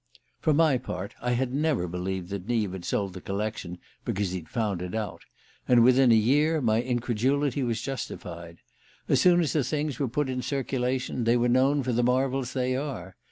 For my part, I had never believed that Neave had sold the collection because he'd "found it out"; and within a year my incredulity was justified. As soon as the things were put in circulation they were known for the marvels they are.